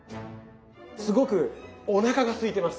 すごくおなかがすいてます。